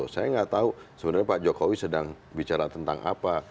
saya nggak tahu sebenarnya pak jokowi sedang bicara tentang apa